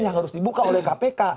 yang harus dibuka oleh kpk